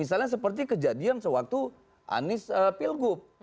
misalnya seperti kejadian sewaktu anies pilgub